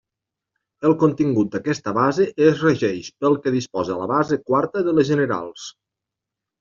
El contingut d'aquesta base es regeix pel que disposa la base quarta de les generals.